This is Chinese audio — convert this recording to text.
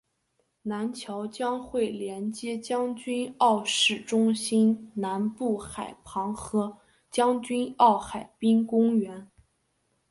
南桥将会连接将军澳市中心南部海旁和将军澳海滨公园。